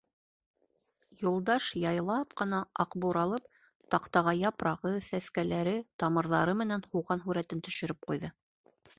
Юлдаш яйлап ҡына, аҡбур алып, таҡтаға япрағы, сәскәләре, тамырҙары менән һуған һүрәтен төшөрөп ҡуйҙы.